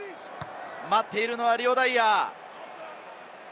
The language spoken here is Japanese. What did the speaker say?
待っているのはリオ・ダイアー。